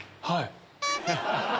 はい。